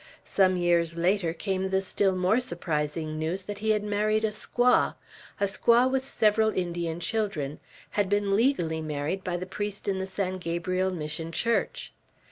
Some years later came the still more surprising news that he had married a squaw, a squaw with several Indian children, had been legally married by the priest in the San Gabriel Mission Church.